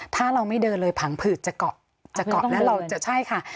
ถ้าเราไม่เดินเลยผังผืดจะเกาะจะเกาะแล้วเราจะใช่ค่ะ